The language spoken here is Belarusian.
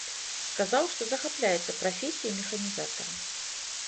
Сказаў, што захапляецца прафесіяй механізатара.